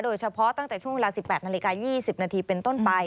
ตั้งแต่ช่วงเวลา๑๘นาฬิกา๒๐นาทีเป็นต้นไป